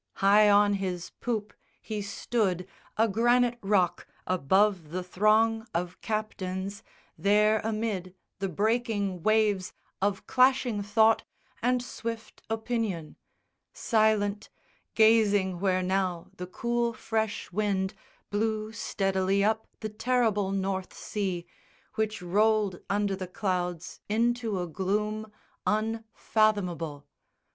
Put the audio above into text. High on his poop He stood, a granite rock, above the throng Of captains, there amid the breaking waves Of clashing thought and swift opinion, Silent, gazing where now the cool fresh wind Blew steadily up the terrible North Sea Which rolled under the clouds into a gloom Unfathomable.